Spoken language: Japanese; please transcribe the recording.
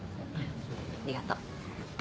ありがとう。